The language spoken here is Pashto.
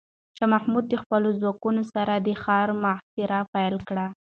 شاه محمود د خپلو ځواکونو سره د ښار محاصره پیل کړه.